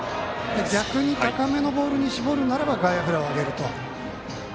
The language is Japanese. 逆に高めのボールに絞るならば外野フライを上げると。